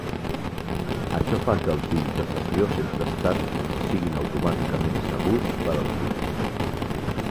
Això fa que els beans de sessió sense estat siguin automàticament segurs per als fils.